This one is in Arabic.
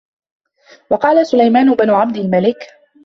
وَقَالَ سُلَيْمَانُ بْنُ عَبْدِ الْمَلِكِ